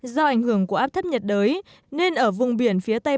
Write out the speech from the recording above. do ảnh hưởng của áp thấp nhiệt đới nên ở vùng biển phía tây